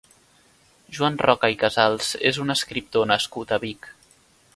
Joan Roca i Casals és un escriptor nascut a Vic.